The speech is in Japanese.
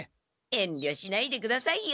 えんりょしないでくださいよ。